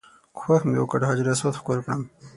کوښښ مې وکړ حجر اسود ښکل کړم.